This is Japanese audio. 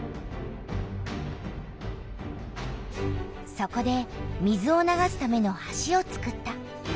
そこで水を流すための橋をつくった。